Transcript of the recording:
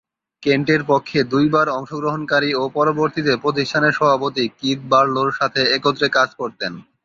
কেন্টের পক্ষে দুইবার অংশগ্রহণকারী ও পরবর্তীতে প্রতিষ্ঠানের সভাপতি কিথ বার্লো’র সাথে একত্রে কাজ করতেন।